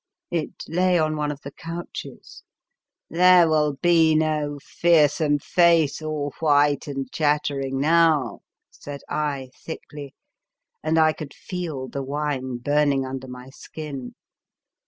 It lay on one of the couches. " There will be no fearsome face all white and chattering now," said I thickly, and I could feel the wine burn ing under my skin.